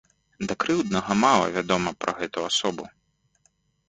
Да крыўднага мала вядома пра гэту асобу.